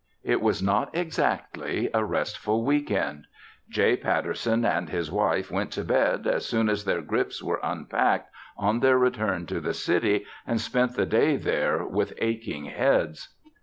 It was not exactly a restful week end. J. Patterson and his wife went to bed, as soon as their grips were unpacked, on their return to the city and spent the day there with aching heads.